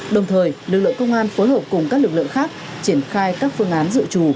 đồng thời lực lượng công an phối hợp cùng các lực lượng khác triển khai các phương án dự trù